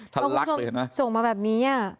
ทันลักเลยเห็นไหมส่งมาแบบนี้อ่ะ